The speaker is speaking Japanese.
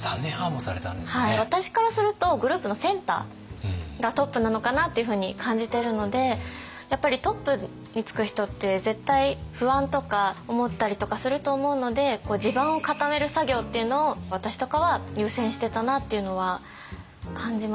私からするとグループのセンターがトップなのかなっていうふうに感じてるのでやっぱりトップにつく人って絶対不安とか思ったりとかすると思うので地盤を固める作業っていうのを私とかは優先してたなっていうのは感じますね。